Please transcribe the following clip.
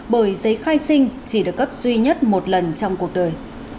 bởi giấy khai sinh chỉ được cấp duy nhất một lần trong cuộc đời